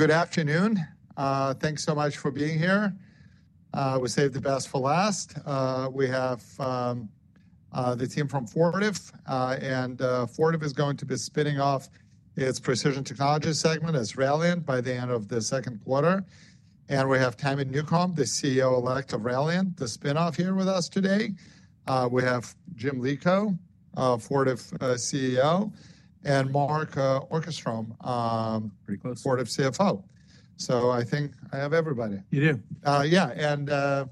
Good afternoon. Thanks so much for being here. We'll save the best for last. We have the team from Fortive, and Fortive is going to be spinning off its Precision Technologies segment as Ralliant by the end of the second quarter. We have Tami Newcombe, the CEO-elect of Ralliant, the spin off here with us today. We have Jim Lico, Fortive CEO, and Mark Okerstrom, Fortive CFO. I think I have everybody. You do. Yeah.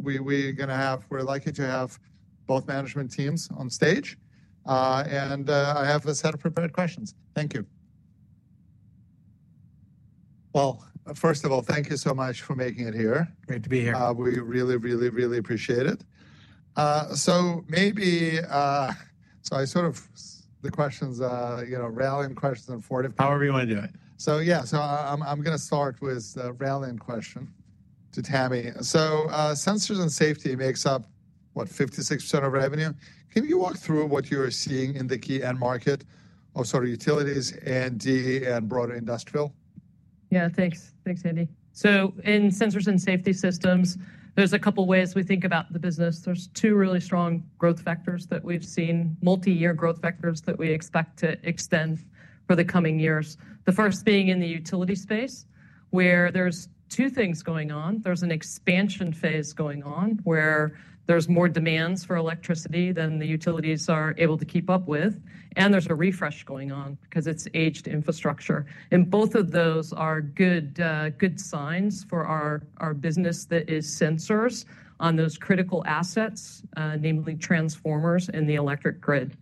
We are going to have, we're lucky to have both management teams on stage. I have a set of prepared questions. Thank you. First of all, thank you so much for making it here. Great to be here. We really, really appreciate it. Maybe, I sort of, the questions, you know, Ralliant questions and Fortive. However you want to do it. Yeah, I'm going to start with the Ralliant question to Tami. Sensors and safety makes up, what, 56% of revenue. Can you walk through what you are seeing in the key end market of sort of utilities and DE and broader industrial? Yeah, thanks. Thanks, Andy. In sensors and safety systems, there's a couple ways we think about the business. There's two really strong growth factors that we've seen, multi-year growth factors that we expect to extend for the coming years. The first being in the utility space, where there's two things going on. There's an expansion phase going on where there's more demands for electricity than the utilities are able to keep up with, and there's a refresh going on because it's aged infrastructure. Both of those are good signs for our business that is sensors on those critical assets, namely transformers in the electric grid.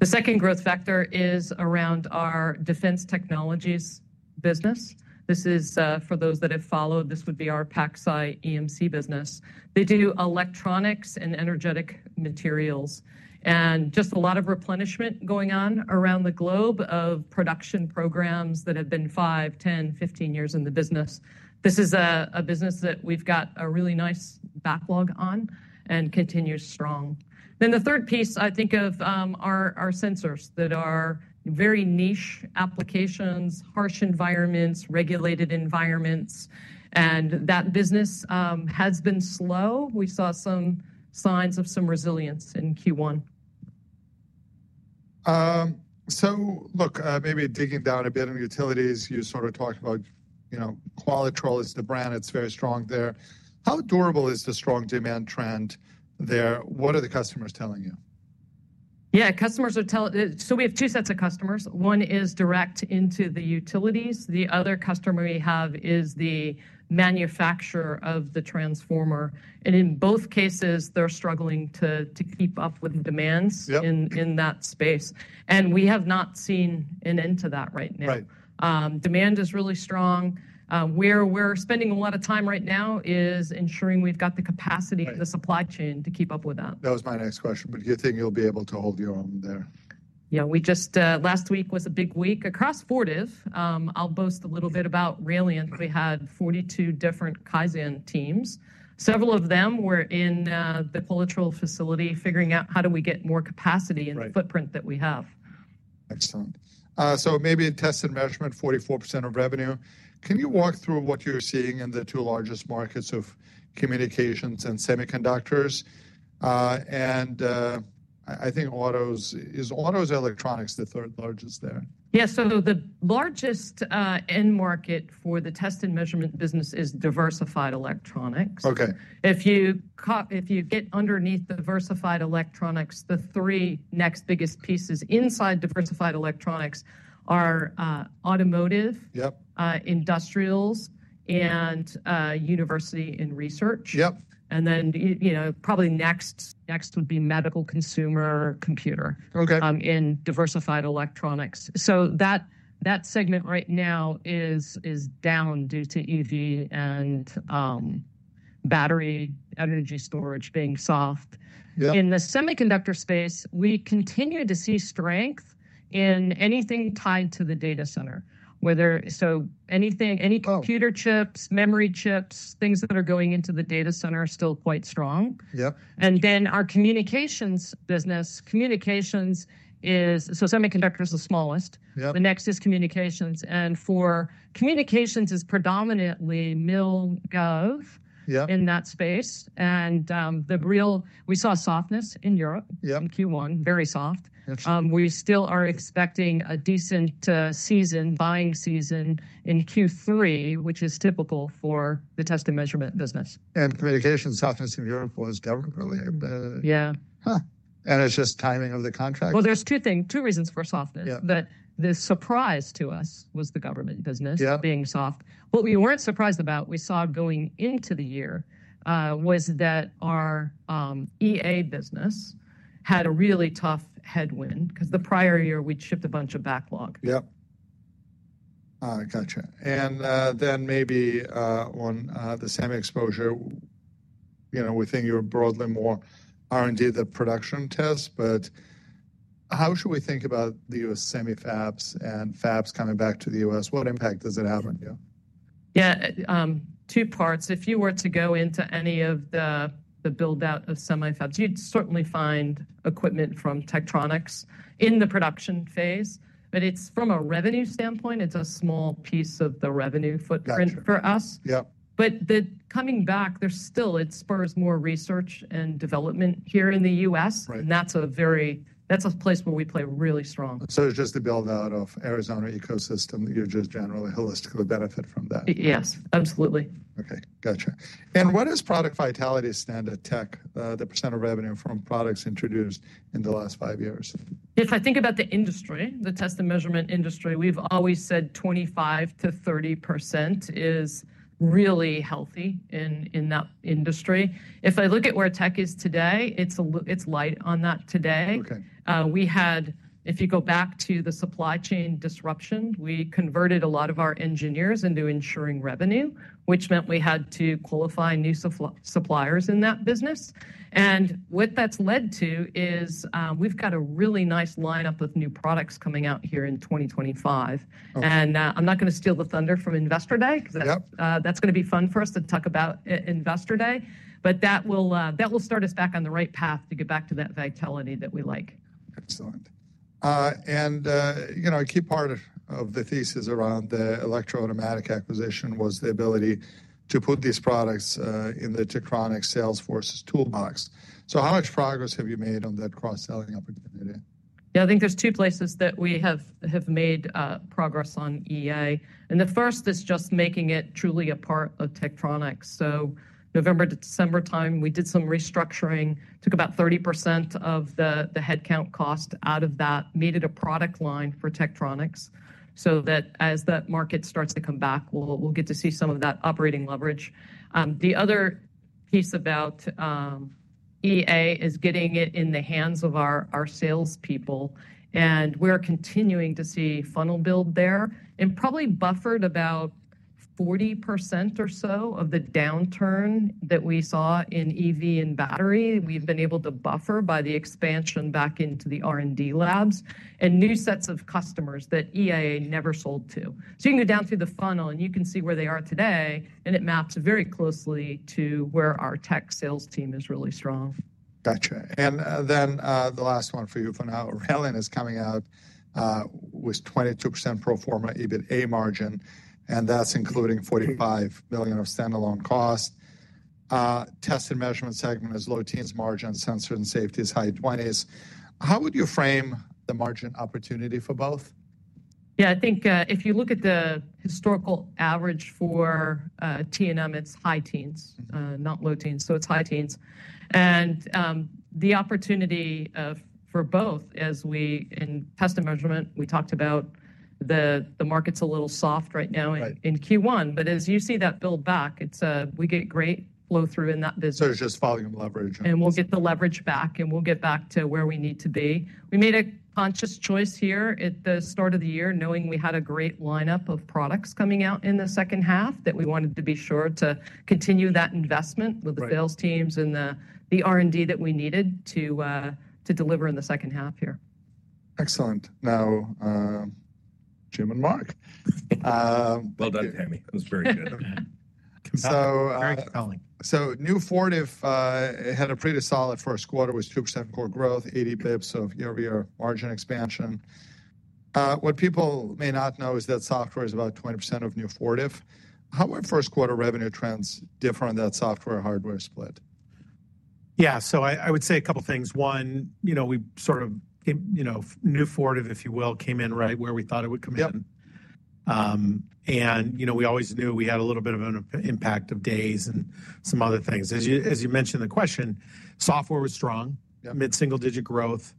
The second growth factor is around our defense technologies business. This is, for those that have followed, this would be our PacSci EMC business. They do electronics and energetic materials, and just a lot of replenishment going on around the globe of production programs that have been five, 10, 15 years in the business. This is a business that we've got a really nice backlog on and continues strong. The third piece, I think of our sensors that are very niche applications, harsh environments, regulated environments, and that business has been slow. We saw some signs of some resilience in Q1. So look, maybe digging down a bit on utilities, you sort of talked about, you know, Qualitrol is the brand. It's very strong there. How durable is the strong demand trend there? What are the customers telling you? Yeah, customers are telling, so we have two sets of customers. One is direct into the utilities. The other customer we have is the manufacturer of the transformer. In both cases, they're struggling to keep up with demands. Yes. In that space. We have not seen an end to that right now. Right. Demand is really strong. Where we're spending a lot of time right now is ensuring we've got the capacity in the supply chain to keep up with that. That was my next question, but do you think you'll be able to hold your own there? Yeah, we just, last week was a big week across Fortive. I'll boast a little bit about Ralliant. We had 42 different Kaizen teams. Several of them were in the Qualitrol facility figuring out how do we get more capacity and footprint that we have. Excellent. Maybe in test and measurement, 44% of revenue. Can you walk through what you're seeing in the two largest markets of communications and semiconductors? I think autos, is autos or electronics the third largest there? Yeah, so the largest end market for the test and measurement business is diversified electronics. Okay. If you get underneath diversified electronics, the three next biggest pieces inside diversified electronics are automotive. Yeah. industrials, and university and research. Yeah. You know, probably next would be medical consumer computer. Okay. In diversified electronics. That segment right now is down due to EV and battery energy storage being soft. Yes. In the semiconductor space, we continue to see strength in anything tied to the data center, whether, so anything, any computer chips, memory chips, things that are going into the data center are still quite strong. Yes. And then our communications business, communications is, so semiconductor's the smallest. Yes. The next is communications. For communications, it's predominantly mil-gov. Yes. In that space. The real, we saw softness in Europe. Yes. In Q1, very soft. Interesting. We still are expecting a decent season, buying season in Q3, which is typical for the test and measurement business. Communication softness in Europe was government related? Yeah. It is just timing of the contract. There are two things, two reasons for softness. Yeah. The surprise to us was the government business. Yeah. Being soft. What we weren't surprised about, we saw going into the year, was that our EA business had a really tough headwind because the prior year we'd shipped a bunch of backlog. Yes. Got you. And, then maybe, on the semi exposure, you know, we think you're broadly more R&D than production tests, but how should we think about the U.S. semi fabs and fabs coming back to the U.S.? What impact does it have on you? Yeah, two parts. If you were to go into any of the buildout of semi fabs, you'd certainly find equipment from Tektronix in the production phase, but it's from a revenue standpoint, it's a small piece of the revenue footprint for us. Yes. The coming back, there's still, it spurs more research and development here in the U.S.. Right. That's a very, that's a place where we play really strong. It's just the buildout of Arizona ecosystem. You just generally holistically benefit from that. Yes, absolutely. Okay. Got you. What does product vitality stand at tech, the percent of revenue from products introduced in the last five years? If I think about the industry, the test and measurement industry, we've always said 25%-30% is really healthy in that industry. If I look at where tech is today, it's light on that today. Okay. We had, if you go back to the supply chain disruption, we converted a lot of our engineers into ensuring revenue, which meant we had to qualify new suppliers in that business. What that's led to is, we've got a really nice lineup of new products coming out here in 2025. Okay. I'm not going to steal the thunder from Investor Day because that's. Yes. That's going to be fun for us to talk about at Investor Day, but that will start us back on the right path to get back to that vitality that we like. Excellent. And, you know, a key part of the thesis around the Elektro-Automatik acquisition was the ability to put these products in the Tektronix Salesforce's toolbox. So how much progress have you made on that cross-selling opportunity? Yeah, I think there's two places that we have made progress on EA. The first is just making it truly a part of Tektronix. November to December time, we did some restructuring, took about 30% of the headcount cost out of that, made it a product line for Tektronix so that as that market starts to come back, we'll get to see some of that operating leverage. The other piece about EA is getting it in the hands of our salespeople, and we're continuing to see funnel build there and probably buffered about 40% or so of the downturn that we saw in EV and battery. We've been able to buffer by the expansion back into the R&D labs and new sets of customers that EA never sold to. You can go down through the funnel and you can see where they are today, and it maps very closely to where our tech sales team is really strong. Got you. And, then, the last one for you for now, Ralliant is coming out with 22% pro forma EBITA margin, and that's including $45 million of standalone cost. Test and measurement segment is low teens margin, sensors and safety is high 20s. How would you frame the margin opportunity for both? Yeah, I think, if you look at the historical average for T&M, it's high teens, not low teens. So it's high teens. And, the opportunity, for both, as we in test and measurement, we talked about the market's a little soft right now in. Right. In Q1, but as you see that build back, it's, we get great flow through in that business. It's just volume leverage. We will get the leverage back, and we will get back to where we need to be. We made a conscious choice here at the start of the year, knowing we had a great lineup of products coming out in the second half that we wanted to be sure to continue that investment with the sales teams and the R&D that we needed to deliver in the second half here. Excellent. Now, Jim and Mark. Well done, Tami. That was very good. So, Very compelling. New Fortive had a pretty solid first quarter with 2% core growth, 80 basis points of year-over-year margin expansion. What people may not know is that software is about 20% of new Fortive. How were first quarter revenue trends different on that software-hardware split? Yeah, so I would say a couple things. One, you know, we sort of came, you know, new Fortive, if you will, came in right where we thought it would come in. Yeah. And, you know, we always knew we had a little bit of an impact of days and some other things. As you mentioned, the question, software was strong. Yeah. Mid-single digit growth.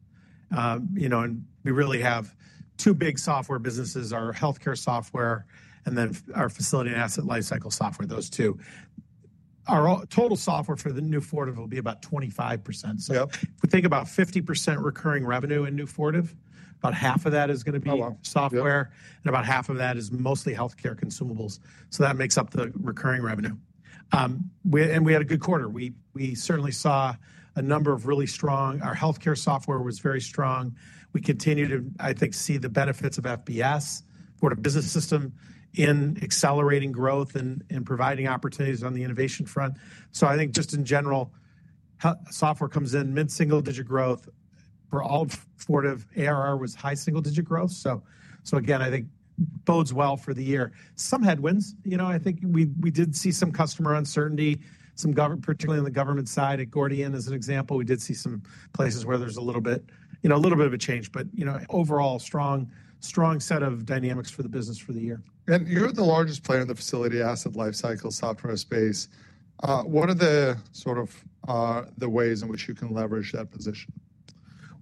You know, and we really have two big software businesses: our healthcare software and then our facility and asset lifecycle software, those two. Our total software for the new Fortive will be about 25%. Yes. If we think about 50% recurring revenue in new Fortive, about half of that is going to be. Oh, wow. Software, and about half of that is mostly healthcare consumables. That makes up the recurring revenue. We had a good quarter. We certainly saw a number of really strong, our healthcare software was very strong. We continue to, I think, see the benefits of FBS, Fortive Business System, in accelerating growth and providing opportunities on the innovation front. I think just in general, the software comes in mid-single digit growth for all Fortive. ARR was high single digit growth. Again, I think bodes well for the year. Some headwinds, you know, I think we did see some customer uncertainty, some, particularly on the government side at Gordian as an example. We did see some places where there's a little bit, you know, a little bit of a change, but, you know, overall strong set of dynamics for the business for the year. You're the largest player in the facility asset lifecycle software space. What are the sort of, the ways in which you can leverage that position?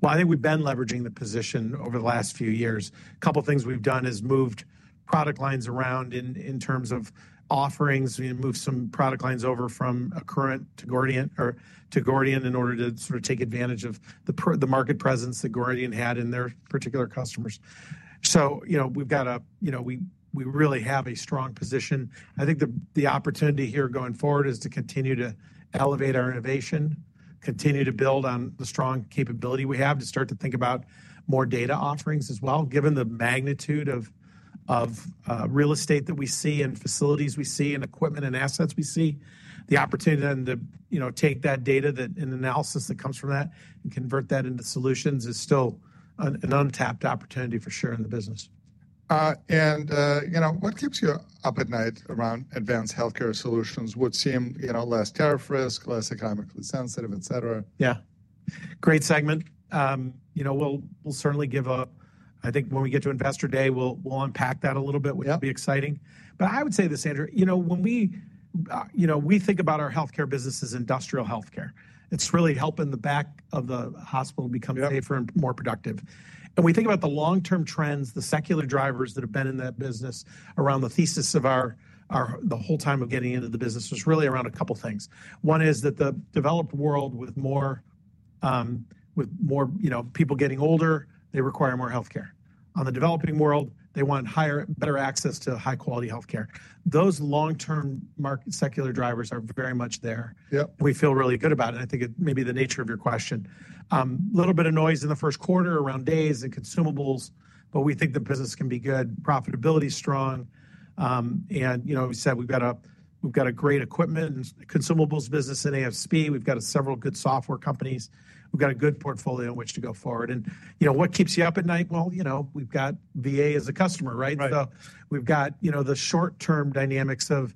I think we've been leveraging the position over the last few years. A couple things we've done is moved product lines around in terms of offerings. We moved some product lines over from Accruent to Gordian in order to sort of take advantage of the market presence that Gordian had in their particular customers. We've got a, you know, we really have a strong position. I think the opportunity here going forward is to continue to elevate our innovation, continue to build on the strong capability we have, to start to think about more data offerings as well. Given the magnitude of real estate that we see and facilities we see and equipment and assets we see, the opportunity then to, you know, take that data that, and analysis that comes from that and convert that into solutions is still an untapped opportunity for sure in the business. and, you know, what keeps you up at night around advanced healthcare solutions, it would seem, you know, less tariff risk, less economically sensitive, etc.? Yeah. Great segment. You know, we'll certainly give a, I think when we get to Investor Day, we'll unpack that a little bit, which will be exciting. Yeah. But I would say this, Andrew, you know, when we, you know, we think about our healthcare business as industrial healthcare. It's really helping the back of the hospital become safer and more productive. We think about the long-term trends, the secular drivers that have been in that business around the thesis of our, the whole time of getting into the business was really around a couple things. One is that the developed world with more, you know, people getting older, they require more healthcare. On the developing world, they want higher, better access to high-quality healthcare. Those long-term market secular drivers are very much there. Yes. We feel really good about it. I think it may be the nature of your question. A little bit of noise in the first quarter around days and consumables, but we think the business can be good, profitability strong. You know, we said we've got a great equipment and consumables business at ASP. We've got several good software companies. We've got a good portfolio in which to go forward. You know, what keeps you up at night? You know, we've got VA as a customer, right? Right. We've got, you know, the short-term dynamics of,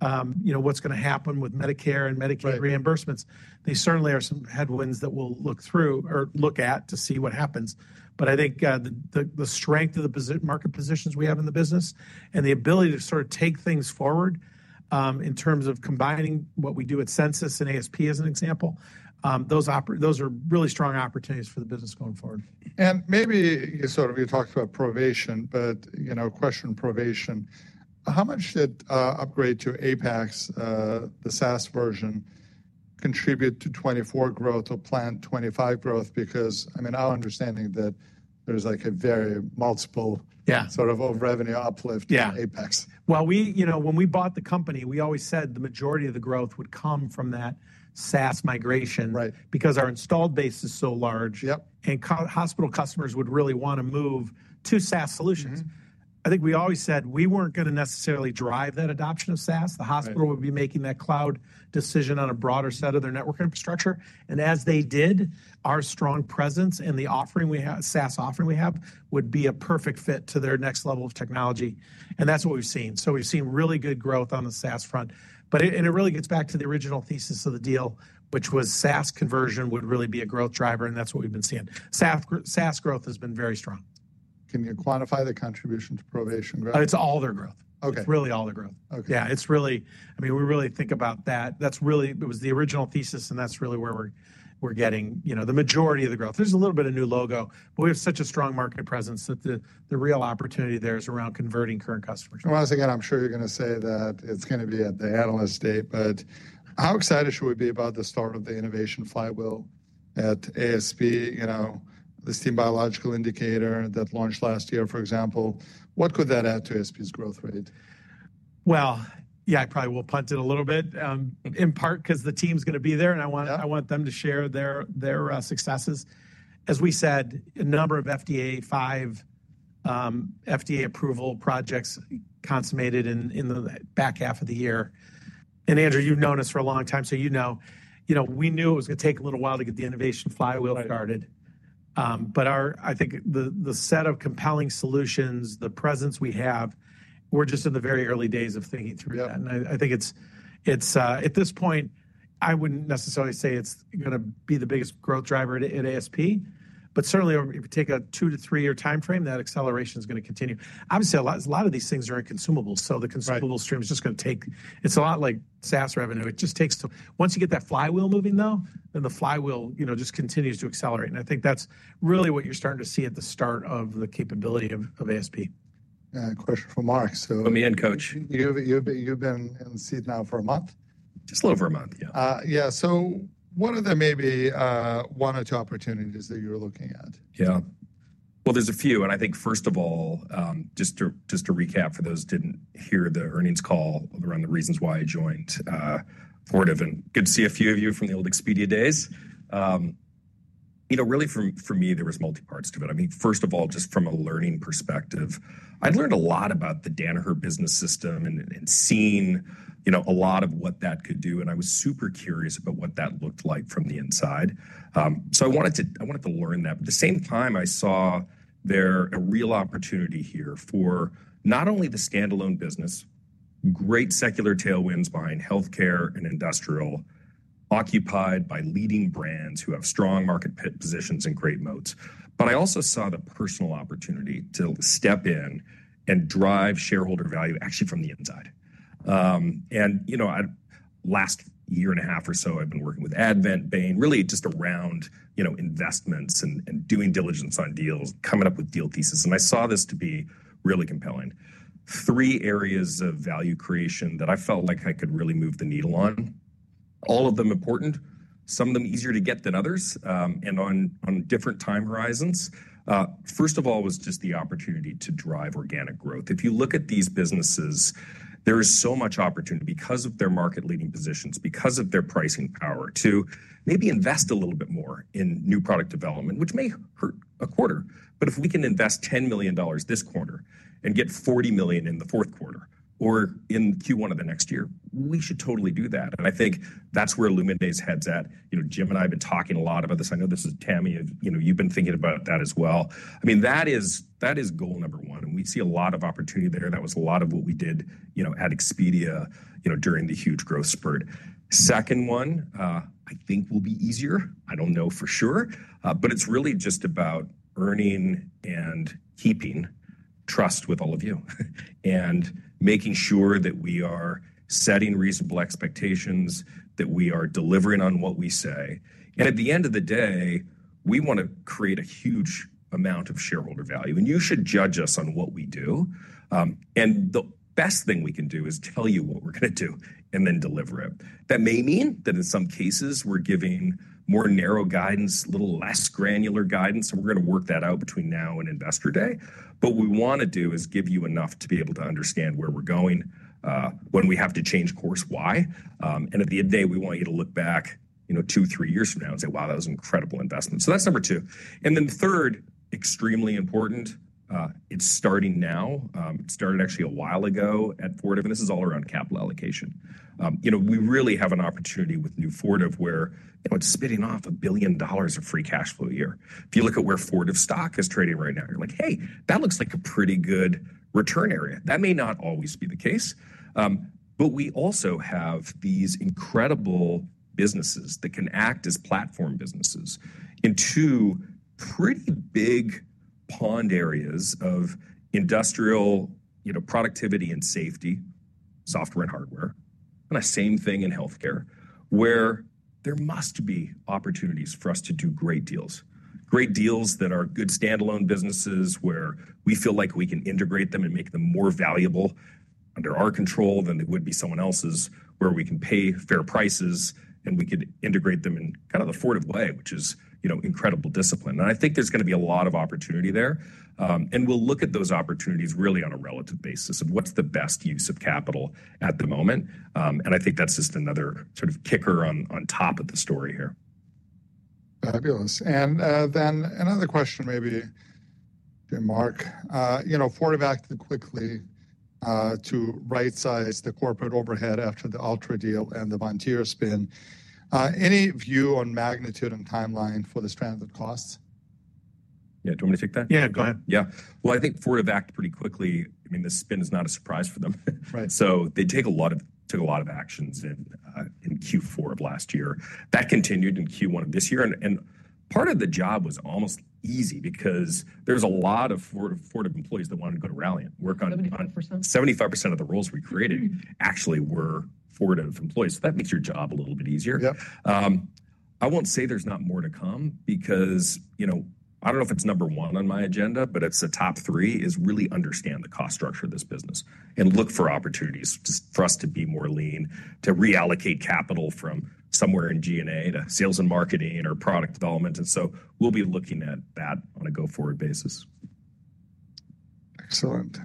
you know, what's going to happen with Medicare and Medicaid reimbursements. Right. They certainly are some headwinds that we'll look through or look at to see what happens. I think the strength of the market positions we have in the business and the ability to sort of take things forward, in terms of combining what we do at Censis and ASP as an example, those are really strong opportunities for the business going forward. Maybe you sort of, you talked about Provation, but, you know, a question on Provation. How much did, upgrade to Apex, the SaaS version contribute to 2024 growth or planned 2025 growth? Because, I mean, our understanding that there's like a very multiple. Yeah. Sort of over-revenue uplift. Yeah. In Apex. Yeah. We, you know, when we bought the company, we always said the majority of the growth would come from that SaaS migration. Right. Because our installed base is so large. Yes. Hospital customers would really want to move to SaaS solutions. Mm-hmm. I think we always said we weren't going to necessarily drive that adoption of SaaS. The hospital would be making that cloud decision on a broader set of their network infrastructure. As they did, our strong presence and the SaaS offering we have would be a perfect fit to their next level of technology. That is what we've seen. We have seen really good growth on the SaaS front. It really gets back to the original thesis of the deal, which was SaaS conversion would really be a growth driver, and that is what we've been seeing. SaaS growth has been very strong. Can you quantify the contribution to Provation growth? It's all their growth. Okay. It's really all their growth. Okay. Yeah, it's really, I mean, we really think about that. That's really, it was the original thesis, and that's really where we're getting, you know, the majority of the growth. There's a little bit of new logo, but we have such a strong market presence that the real opportunity there is around converting current customers. Once again, I'm sure you're going to say that it's going to be at the analyst date, but how excited should we be about the start of the innovation flywheel at ASP? You know, the steam biological indicator that launched last year, for example. What could that add to ASP's growth rate? Yeah, I probably will punt it a little bit, in part because the team's going to be there, and I want them to share their successes. As we said, a number of FDA five, FDA approval projects consummated in the back half of the year. And Andrew, you've known us for a long time, so you know, we knew it was going to take a little while to get the innovation flywheel started. Right. I think the set of compelling solutions, the presence we have, we're just in the very early days of thinking through that. Yeah. I think it's, at this point, I wouldn't necessarily say it's going to be the biggest growth driver at ASP, but certainly over, if you take a two to three-year timeframe, that acceleration's going to continue. Obviously, a lot of these things are in consumables, so the consumable stream is just going to take, it's a lot like SaaS revenue. It just takes to, once you get that flywheel moving though, then the flywheel, you know, just continues to accelerate. I think that's really what you're starting to see at the start of the capability of ASP. A question for Mark, so. Let me in, coach. You've been in the seat now for a month. Just a little over a month. Yeah. Yeah. Yeah. So what are the maybe, one or two opportunities that you're looking at? Yeah. There is a few. I think first of all, just to recap for those who did not hear the earnings call around the reasons why I joined Fortive, and good to see a few of you from the old Expedia days. You know, really for me, there was multi-parts to it. I mean, first of all, just from a learning perspective, I had learned a lot about the Danaher business system and seeing a lot of what that could do. I was super curious about what that looked like from the inside. I wanted to learn that. At the same time, I saw there a real opportunity here for not only the standalone business, great secular tailwinds behind healthcare and industrial occupied by leading brands who have strong market positions and great moats. I also saw the personal opportunity to step in and drive shareholder value actually from the inside. You know, last year and a half or so, I've been working with Advent, Bain, really just around investments and doing diligence on deals, coming up with deal thesis. I saw this to be really compelling. Three areas of value creation that I felt like I could really move the needle on. All of them important, some of them easier to get than others, and on different time horizons. First of all was just the opportunity to drive organic growth. If you look at these businesses, there is so much opportunity because of their market-leading positions, because of their pricing power to maybe invest a little bit more in new product development, which may hurt a quarter. If we can invest $10 million this quarter and get $40 million in the fourth quarter or in Q1 of the next year, we should totally do that. I think that's where Lumen Day's head's at. You know, Jim and I have been talking a lot about this. I know this is Tami, you know, you've been thinking about that as well. I mean, that is goal number one. We see a lot of opportunity there. That was a lot of what we did, you know, at Expedia, you know, during the huge growth spurt. Second one, I think will be easier. I don't know for sure, but it's really just about earning and keeping trust with all of you and making sure that we are setting reasonable expectations, that we are delivering on what we say. At the end of the day, we want to create a huge amount of shareholder value. You should judge us on what we do. The best thing we can do is tell you what we're going to do and then deliver it. That may mean that in some cases, we're giving more narrow guidance, a little less granular guidance. We're going to work that out between now and Investor Day. What we want to do is give you enough to be able to understand where we're going, when we have to change course, why. At the end of the day, we want you to look back, you know, two, three years from now and say, "Wow, that was an incredible investment." That's number two. Third, extremely important, it's starting now. It started actually a while ago at Fortive, and this is all around capital allocation. You know, we really have an opportunity with new Fortive where, you know, it's spitting off $1 billion of free cash flow a year. If you look at where Fortive stock is trading right now, you're like, "Hey, that looks like a pretty good return area." That may not always be the case. We also have these incredible businesses that can act as platform businesses in two pretty big pond areas of industrial, you know, productivity and safety, software and hardware. The same thing in healthcare where there must be opportunities for us to do great deals, great deals that are good standalone businesses where we feel like we can integrate them and make them more valuable under our control than it would be someone else's, where we can pay fair prices and we could integrate them in kind of an affordable way, which is, you know, incredible discipline. I think there's going to be a lot of opportunity there, and we'll look at those opportunities really on a relative basis of what's the best use of capital at the moment. I think that's just another sort of kicker on top of the story here. Fabulous. Then another question maybe to Mark. You know, Fortive acted quickly to right-size the corporate overhead after the Altra deal and the Vontier spin. Any view on magnitude and timeline for the stranded costs? Yeah. Do you want me to take that? Yeah. Go ahead. Yeah. I think Fortive acted pretty quickly. I mean, the spin is not a surprise for them. Right. They took a lot of actions in Q4 of last year. That continued in Q1 of this year. Part of the job was almost easy because there is a lot of Fortive employees that wanted to go to Ralliant and work on the front. 75%. 75% of the roles we created actually were Fortive employees. So that makes your job a little bit easier. Yes. I won't say there's not more to come because, you know, I don't know if it's number one on my agenda, but it's a top three is really understand the cost structure of this business and look for opportunities for us to be more lean to reallocate capital from somewhere in G&A to sales and marketing or product development. We will be looking at that on a go forward basis. Excellent.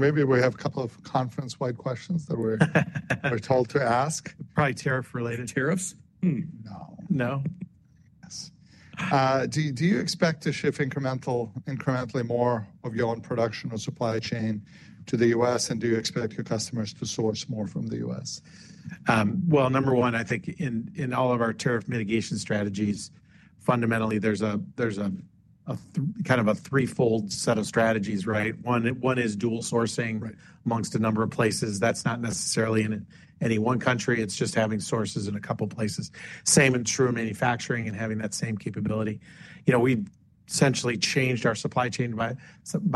Maybe we have a couple of conference-wide questions that we're told to ask. Probably tariff-related. Tariffs? No. No? Yes. Do you expect to shift incrementally more of your own production or supply chain to the U.S.? And do you expect your customers to source more from the U.S.? Number one, I think in all of our tariff mitigation strategies, fundamentally there's a kind of a threefold set of strategies, right? One is dual sourcing. Right. Amongst a number of places. That's not necessarily in any one country. It's just having sources in a couple of places. Same in true manufacturing and having that same capability. You know, we've essentially changed our supply chain by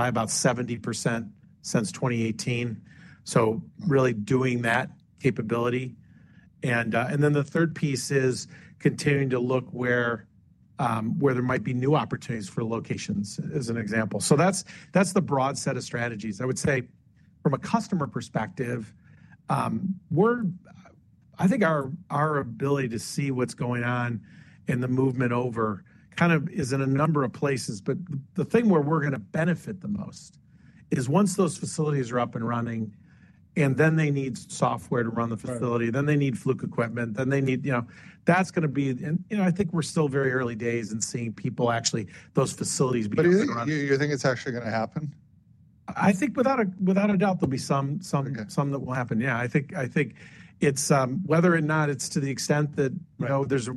about 70% since 2018. So really doing that capability. And then the third piece is continuing to look where there might be new opportunities for locations as an example. That's the broad set of strategies. I would say from a customer perspective, I think our ability to see what's going on and the movement over kind of is in a number of places. The thing where we're going to benefit the most is once those facilities are up and running and then they need software to run the facility, then they need Fluke equipment, then they need, you know, that's going to be, and, you know, I think we're still very early days in seeing people actually those facilities begin to run. You think it's actually going to happen? I think without a doubt there'll be some that will happen. Yeah. I think it's whether or not it's to the extent that, you know, there's a,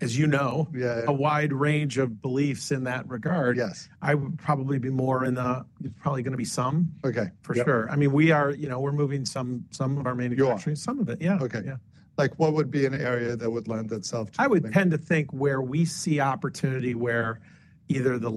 as you know. Yeah. A wide range of beliefs in that regard. Yes. I would probably be more in the, it's probably going to be some. Okay. For sure. I mean, we are, you know, we're moving some of our manufacturing. You are. Some of it. Yeah. Okay. Like what would be an area that would lend itself to? I would tend to think where we see opportunity where either the,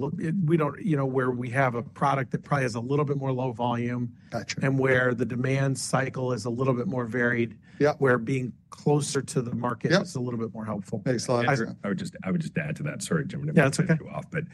we don't, you know, where we have a product that probably has a little bit more low volume. Got you. And where the demand cycle is a little bit more varied. Yes. Where being closer to the market. Yes. Is a little bit more helpful. Excellent. I would just add to that. Sorry, Jim. That's okay. To cut you off, but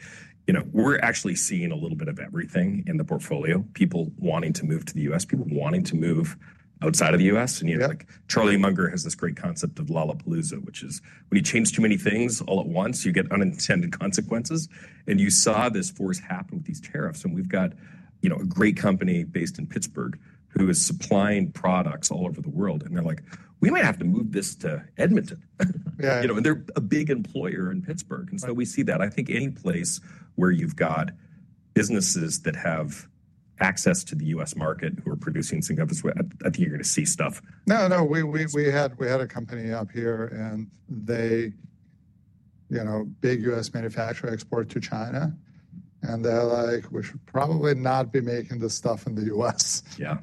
you know, we're actually seeing a little bit of everything in the portfolio. People wanting to move to the U.S., people wanting to move outside of the U.S.. You know, like Charlie Munger has this great concept of Lollapalooza, which is when you change too many things all at once, you get unintended consequences. You saw this force happen with these tariffs. We've got a great company based in Pittsburgh who is supplying products all over the world. They're like, "We might have to move this to Edmonton." Yeah. You know, and they're a big employer in Pittsburgh. We see that. I think any place where you've got businesses that have access to the U.S. market who are producing some goods, I think you're going to see stuff. No, no. We had a company up here and they, you know, big U.S. manufacturer export to China. And they're like, "We should probably not be making this stuff in the U.S.." Yeah.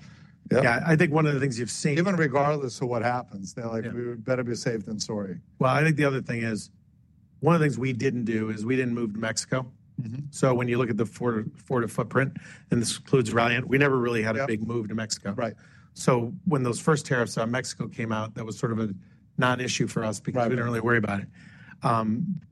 Yeah. Yeah. I think one of the things you've seen. Even regardless of what happens, they're like, "We better be safe than sorry." I think the other thing is one of the things we didn't do is we didn't move to Mexico. Mm-hmm. When you look at the Fortive footprint, and this includes Ralliant, we never really had a big move to Mexico. Right. When those first tariffs on Mexico came out, that was sort of a non-issue for us because we did not really worry about it. Right.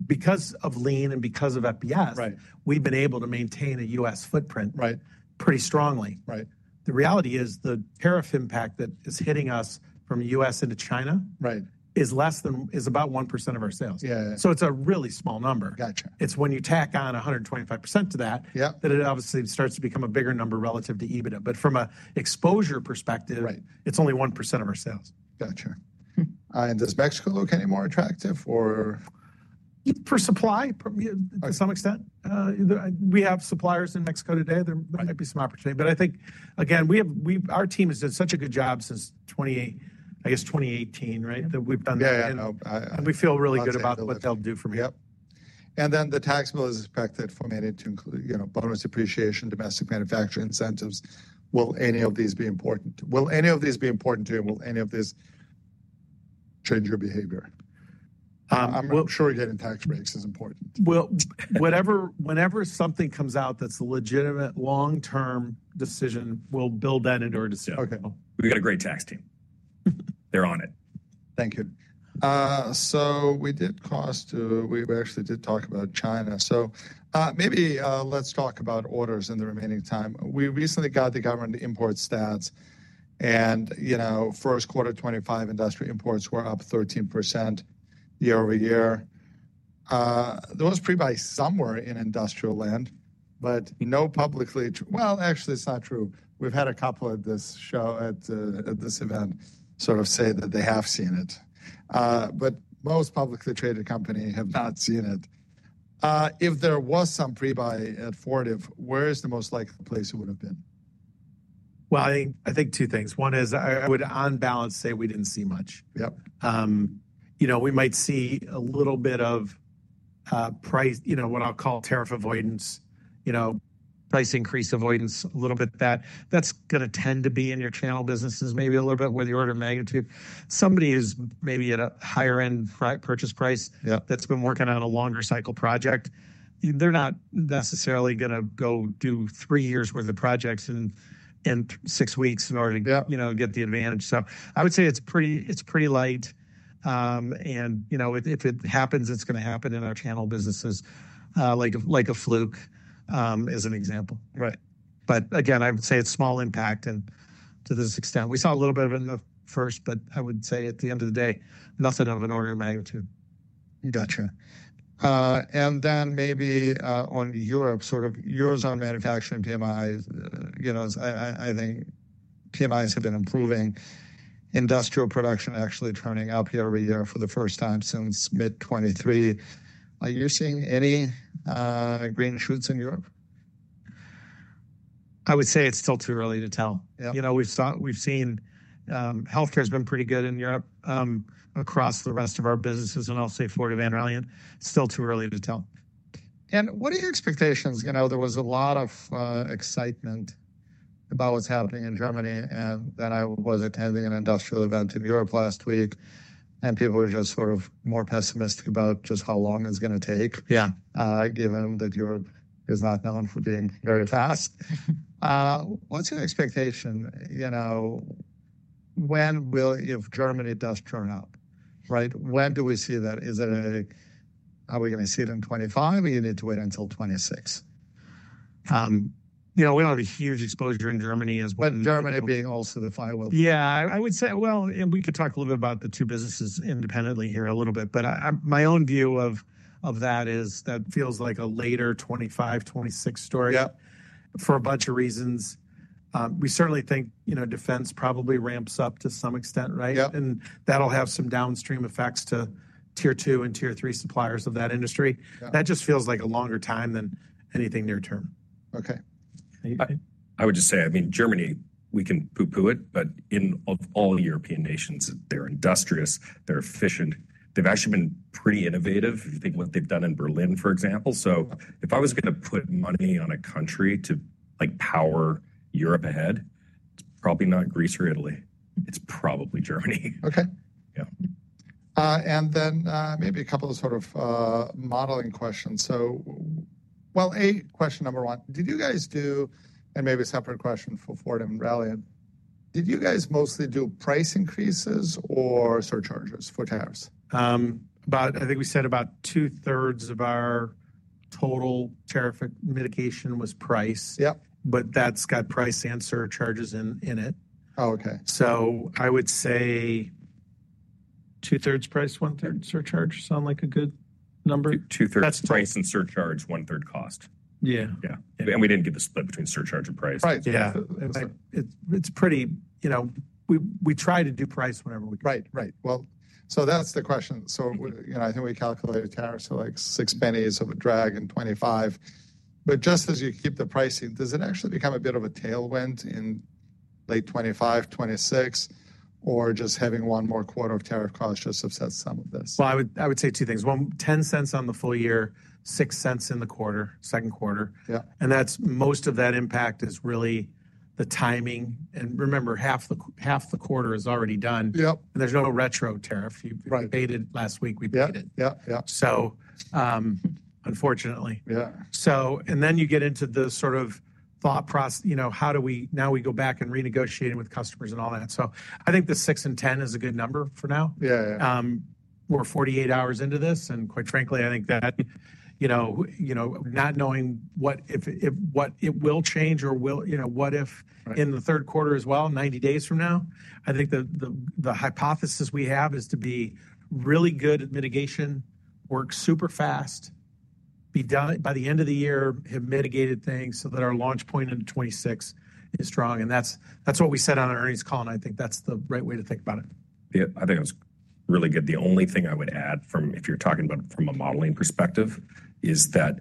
because of lean and because of FBS. Right. We've been able to maintain a U.S. footprint. Right. Pretty strongly. Right. The reality is the tariff impact that is hitting us from U.S. into China. Right. Is less than, is about 1% of our sales. Yeah. It's a really small number. Got you. It's when you tack on 125% to that. Yes. That it obviously starts to become a bigger number relative to EBITDA. From an exposure perspective. Right. It's only 1% of our sales. Got you. And does Mexico look any more attractive or? Per supply to some extent. We have suppliers in Mexico today. There might be some opportunity. I think, again, we've, our team has done such a good job since 2018, right? That we've done. Yeah. We feel really good about what they'll do from here. Then the tax bill is expected formatted to include, you know, bonus appreciation, domestic manufacturing incentives. Will any of these be important? Will any of these be important to you? Will any of these change your behavior? I'm not sure getting tax breaks is important. Whenever something comes out that's a legitimate long-term decision, we'll build that into our decision. Okay. We've got a great tax team. They're on it. Thank you. So we did cost, we actually did talk about China. Maybe, let's talk about orders in the remaining time. We recently got the government import stats and, you know, first quarter 2025, industrial imports were up 13% year over year. Those pre-buy somewhere in industrial land, but no publicly, well, actually it's not true. We've had a couple at this show, at this event sort of say that they have seen it. But most publicly traded company have not seen it. If there was some pre-buy at Fortive, where's the most likely place it would've been? I think two things. One is I would on balance say we didn't see much. Yes. You know, we might see a little bit of, price, you know, what I'll call tariff avoidance, you know, price increase avoidance, a little bit of that. That's going to tend to be in your channel businesses, maybe a little bit with the order of magnitude. Somebody who's maybe at a higher end purchase price. Yes. That's been working on a longer cycle project. They're not necessarily going to go do three years' worth of projects in six weeks in order to, you know, get the advantage. I would say it's pretty light and, you know, if it happens, it's going to happen in our channel businesses, like a Fluke, as an example. Right. But again, I would say it's small impact and to this extent we saw a little bit of it in the first, but I would say at the end of the day, nothing of an order of magnitude. Got you. And then maybe, on Europe, sort of Eurozone manufacturing PMIs, you know, I think PMIs have been improving. Industrial production actually turning up here every year for the first time since mid 2023. Are you seeing any green shoots in Europe? I would say it's still too early to tell. Yes. You know, we've seen healthcare has been pretty good in Europe, across the rest of our businesses. I'll say Fortive and Ralliant, still too early to tell. What are your expectations? You know, there was a lot of excitement about what's happening in Germany and I was attending an industrial event in Europe last week and people were just sort of more pessimistic about just how long it's going to take. Yeah. Given that Europe is not known for being very fast, what's your expectation? You know, when will, if Germany does turn up, right? When do we see that? Is it a, are we going to see it in 2025 or you need to wait until 2026? you know, we don't have a huge exposure in Germany as well. Germany being also the firewall. Yeah. I would say, well, I mean, we could talk a little bit about the two businesses independently here a little but my own view of that is that feels like a later 2025, 2026 story. Yes. For a bunch of reasons. We certainly think, you know, defense probably ramps up to some extent, right? Yes. That'll have some downstream effects to tier two and tier three suppliers of that industry. Yeah. That just feels like a longer time than anything near term. Okay. I would just say, I mean, Germany, we can pooh-pooh it, but in all European nations, they're industrious, they're efficient, they've actually been pretty innovative. If you think what they've done in Berlin, for example. If I was going to put money on a country to like power Europe ahead, it's probably not Greece or Italy. It's probably Germany. Okay. Yeah. And then, maybe a couple of sort of, modeling questions. Question number one, did you guys do, and maybe a separate question for Fortive and Ralliant, did you guys mostly do price increases or surcharges for tariffs? About, I think we said about 2/3s of our total tariff mitigation was price. Yes. But that's got price and surcharges in it. Oh, okay. I would say 2/3s price, 1/3 surcharge sound like a good number. 2/3s price and surcharge, 1/3 cost. Yeah. Yeah. We did not give the split between surcharge and price. Right. Yeah. It's pretty, you know, we try to do price whenever we can. Right. That is the question. We, you know, I think we calculated tariffs to like six pennies of a drag in 2025. Just as you keep the pricing, does it actually become a bit of a tailwind in late 2025, 2026, or just having one more quarter of tariff cost just upset some of this? I would say two things. One, $0.10 on the full year, $0.06 in the quarter, second quarter. Yes. And that's, most of that impact is really the timing. Remember, half the quarter is already done. Yes. There's no retro tariff. Right. We paid it last week. We paid it. Yes. So, unfortunately. Yeah. And then you get into the sort of thought process, you know, how do we, now we go back and renegotiate with customers and all that. I think the $0.06 and $0.10 is a good number for now. Yeah. We're 48 hours into this and, quite frankly, I think that, you know, not knowing what, if what it will change or will, you know, what if in the third quarter as well, 90 days from now, I think the hypothesis we have is to be really good at mitigation, work super fast, be done by the end of the year, have mitigated things so that our launch point into 2026 is strong. That's what we said on our earnings call. I think that's the right way to think about it. Yeah. I think it was really good. The only thing I would add from, if you're talking about it from a modeling perspective, is that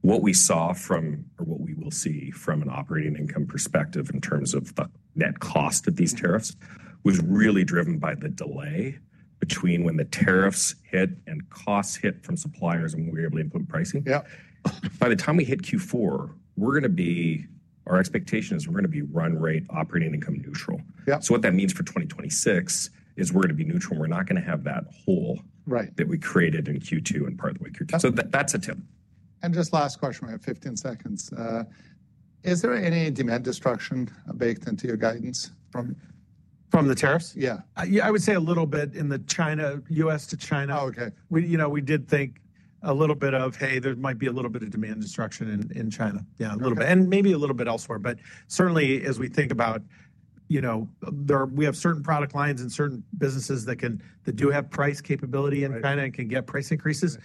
what we saw from, or what we will see from an operating income perspective in terms of the net cost of these tariffs was really driven by the delay between when the tariffs hit and costs hit from suppliers and when we were able to implement pricing. Yes. By the time we hit Q4, we're going to be, our expectation is we're going to be run rate operating income neutral. Yes. What that means for 2026 is we're going to be neutral. We're not going to have that hole. Right. That we created in Q2 and part of the way Q2. So that's a tip. Just last question. We have 15 seconds. Is there any demand destruction baked into your guidance? From the tariffs? Yeah. I would say a little bit in the U.S. to China. Oh, okay. We, you know, we did think a little bit of, hey, there might be a little bit of demand destruction in China. Yeah. Yeah, a little bit and maybe a little bit elsewhere. Certainly as we think about, you know, there, we have certain product lines and certain businesses that can, that do have price capability in China and can get price increases.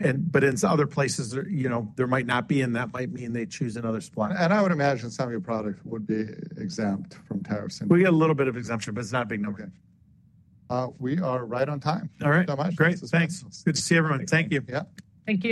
In other places, you know, there might not be and that might mean they choose another supplier. I would imagine some of your products would be exempt from tariffs. We get a little bit of exemption, but it's not a big number. Okay. We are right on time. All right. So much. Great. Thanks. Good to see everyone. Thank you. Yeah. Thank you.